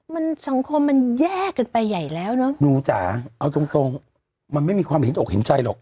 มันสังคมมันแยกกันไปใหญ่แล้วเนอะหนูจ๋าเอาตรงตรงมันไม่มีความเห็นอกเห็นใจหรอก